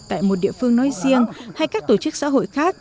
tại một địa phương nói riêng hay các tổ chức xã hội khác